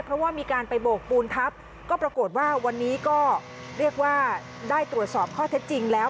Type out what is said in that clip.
เพราะว่ามีการไปโบกปูนทับก็ปรากฏว่าวันนี้ก็เรียกว่าได้ตรวจสอบข้อเท็จจริงแล้ว